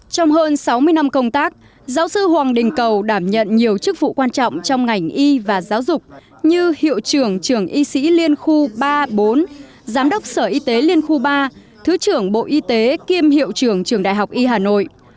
trong hơn sáu mươi năm công tác giáo sư hoàng đình cầu đảm nhận nhiều chức vụ quan trọng trong ngành y và giáo dục như hiệu trưởng trường y sĩ liên khu ba bốn giám đốc sở y tế liên khu ba thứ trưởng bộ y tế kiêm hiệu trưởng trường đại học y hà nội